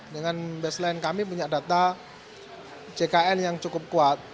dengan baseline kami punya data jkn yang cukup kuat